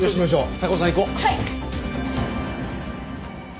高尾さん行こう。